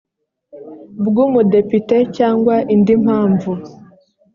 bw umudepite cyangwa indi mpamvu